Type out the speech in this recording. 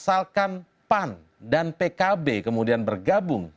asalkan pan dan pkb kemudian bergabung